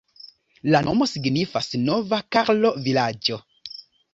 La nomo signifas "Nova karlo-vilaĝo".